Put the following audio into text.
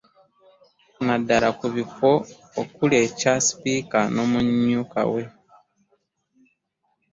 Naddala ku bifo okuli ekya Sipiika n'omumyuka we